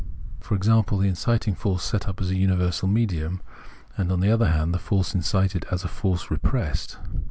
For example, the inciting force is set up as universal medium, and, on the other hand, the force incited as a force repressed.